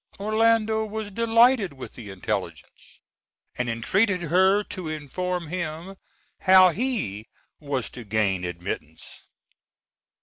Orlando was delighted with the intelligence, and entreated her to inform him how he was to gain admittance.